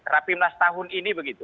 rapimnas tahun ini begitu